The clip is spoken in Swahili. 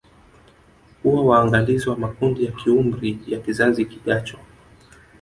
Huwa waangalizi wa makundi ya kiumri ya kizazi kijacho